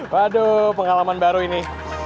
waduh pengalaman baru ini